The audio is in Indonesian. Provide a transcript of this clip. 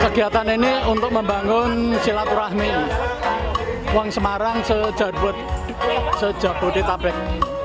kegiatan ini untuk membangun silaturahmi wong semarang sejabut di tabek